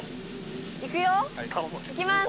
いくよ。いきます！